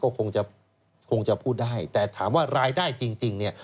ก็คงจะคงจะพูดได้แต่ถามว่ารายได้จริงเนี่ย